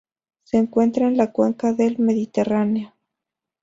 Se encuentra en la Cuenca del Mediterráneo.